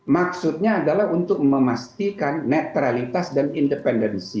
maksudnya adalah untuk memastikan netralitas dan independensi